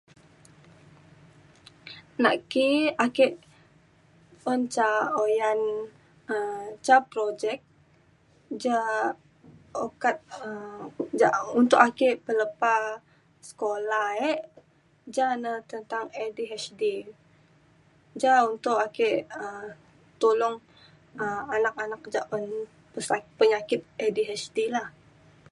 nak ki ake un ca oyan um ca projek ja okat um ja untuk ake pelepa sekolah ek jane tentang ADHD. ja untuk ake um tulong um anak anak ja un sakit penyakit ADHD la.